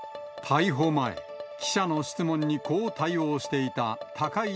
逮捕前、記者の質問にこう対応していた高井凜